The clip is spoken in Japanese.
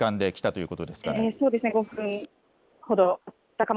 そうですね、５分ほど。